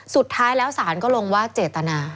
สุดท้ายแล้วศาลก็ลงว่าเจตนา